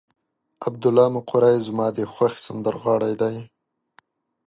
عبدالله مقری زما د خوښې سندرغاړی دی.